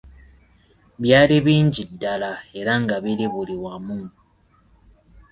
Byali bingi ddala, era nga biri buli wamu.